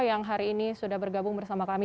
yang hari ini sudah bergabung bersama kami